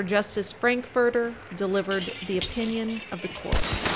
JUSTICE FRANKFURTER delivered the opinion of the Court.